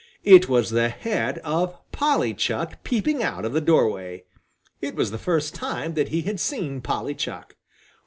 It was the head of Polly Chuck peeping out of the doorway. It was the first time that he had seen Polly Chuck.